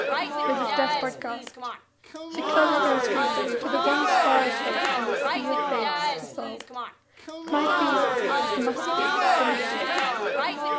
Mrs. Despard gasped. She clung against reason to the one spar of hope in this sea of faiths dissolved. It might be it must be some mistake!